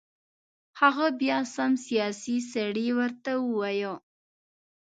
هغه بیا سم سیاسي سړی ورته ووایو.